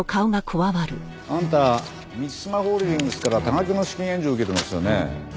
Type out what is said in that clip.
あんた満島ホールディングスから多額の資金援助受けてますよね。